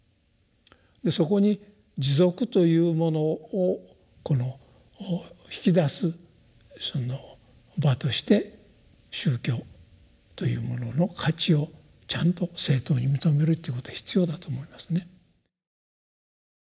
そこに持続というものをこの引き出すその場として宗教というものの価値をちゃんと正当に認めるっていうことが必要だと思いますね。